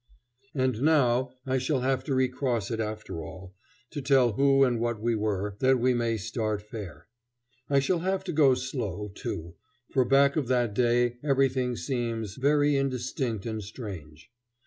And now I shall have to recross it after all, to tell who and what we were, that we may start fair. I shall have to go slow, too, for back of that day everything seems very indistinct and strange.